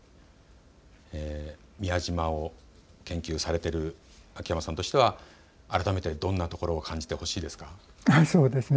宮島を研究されている秋山さんとしては改めてどんなところを感じてほしいですか。